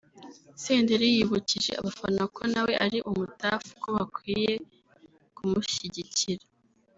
Senderi yibukije abafana ko na we ari ‘umu-Tuff’ ko bakwiye kumushyigikira